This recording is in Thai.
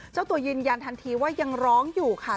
เจ้าตัวยืนยันทันทีว่ายังร้องอยู่ค่ะ